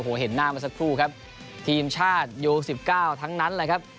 โอ้โหเห็นหน้ามาสักครู่ครับทีมชาติยูสิบเก้าทั้งนั้นแหละครับ